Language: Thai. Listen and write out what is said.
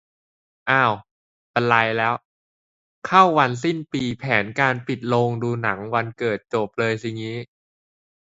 อ้าว บรรลัยแล้ว เข้าวันสิ้นปี แผนการปิดโรงดูหนังวันเกิดจบเลยสิงี้